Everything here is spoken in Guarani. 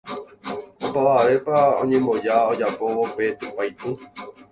opavavéva oñemboja ojapóvo pe tupãitũ